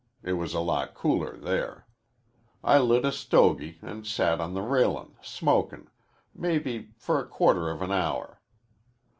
It was a lot cooler there. I lit a stogie an' sat on the railin' smokin', maybe for a quarter of an hour.